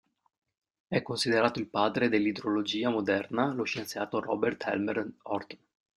È considerato il padre dell'idrologia moderna lo scienziato Robert Elmer Horton.